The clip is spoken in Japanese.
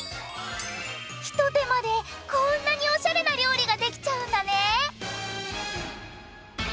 ひと手間でこんなにおしゃれな料理ができちゃうんだね！